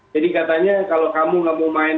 jadi katanya kalau kamu gak mau main gak mau main